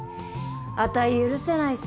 あたい許せないっすよ！